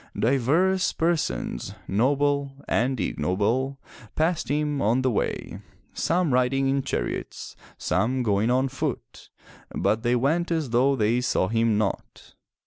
Divers persons, noble and ignoble, passed him on the way, some riding in chariots, some going on foot, but they went as though they saw him not.